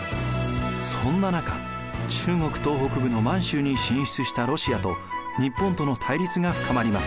そんな中中国東北部の満州に進出したロシアと日本との対立が深まります。